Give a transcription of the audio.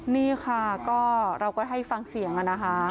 นี่ค่ะก็เราก็ให้ฟังเสียงนะคะ